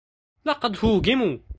لقد هوجموا.